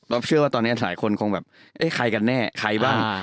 เชื่อว่าตอนนี้หลายคนคงแบบเอ๊ะใครกันแน่ใครบ้าง